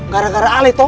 gara gara ali toh